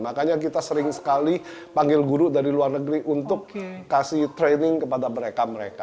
makanya kita sering sekali panggil guru dari luar negeri untuk kasih training kepada mereka mereka